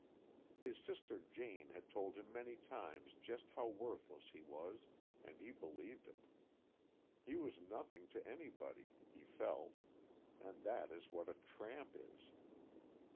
His sister Jane had told him many times just how worthless he was, and he believed it. He was nothing to anybody he felt and that is what a tramp is.